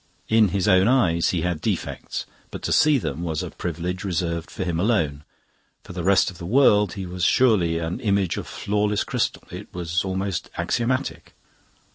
In his own eyes he had defects, but to see them was a privilege reserved to him alone. For the rest of the world he was surely an image of flawless crystal. It was almost axiomatic.